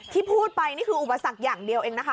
ที่พูดไปนี่คืออุปสรรคอย่างเดียวเองนะคะ